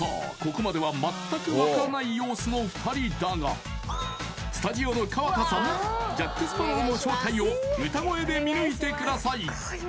ここまでは全く分からない様子の２人だがスタジオの川田さんジャック・スパロウの正体を歌声で見抜いてください